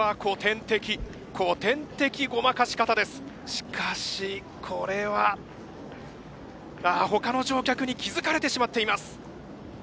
しかしこれは。あっほかの乗客に気づかれてしまっています。